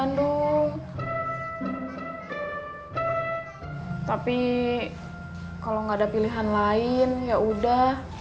nih kalau nggak ada pilihan lain yaudah